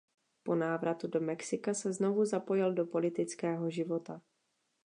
Po návratu do Mexika se znovu zapojil do politického života.